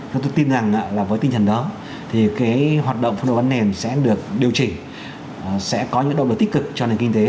và tôi tin rằng là với tinh thần đó thì cái hoạt động phân đấu bán nền sẽ được điều chỉnh sẽ có những động lực tích cực cho nền kinh tế